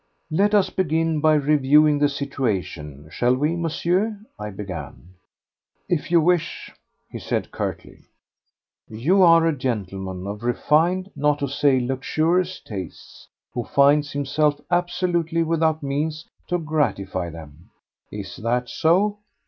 "Let us begin by reviewing the situation, shall we, Monsieur?" I began. "If you wish," he said curtly. "You are a gentleman of refined, not to say luxurious tastes, who finds himself absolutely without means to gratify them. Is that so?"